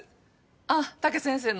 あっ武先生の！